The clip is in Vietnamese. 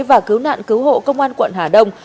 và cứu nạn cứu hộ công an quận hà đông